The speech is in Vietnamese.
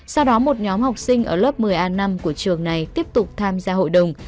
sau đó một nhóm học sinh ở lớp một mươi a năm của trường này tiếp tục tham gia hội đồng